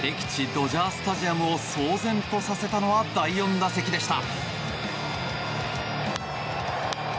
ドジャー・スタジアムを騒然とさせたのは第４打席でした。